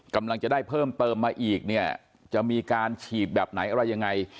กำลังจะได้เพิ่มเติมมาอีกเนี่ยจะมีการฉีดแบบไหนอะไรยังไง